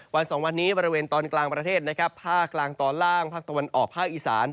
สองวันนี้บริเวณตอนกลางประเทศนะครับภาคกลางตอนล่างภาคตะวันออกภาคอีสาน